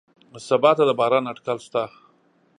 سبا ته د باران اټکل شته